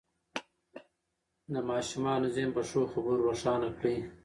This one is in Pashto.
د ماشومانو ذهن په ښو خبرو روښانه کړئ.